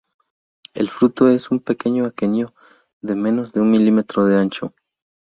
El fruto es un pequeño aquenio de menos de un milímetro de ancho.